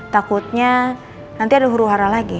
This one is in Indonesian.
takutnya nanti ada huru hara lagi